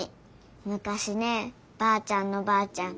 むかしねばあちゃんのばあちゃん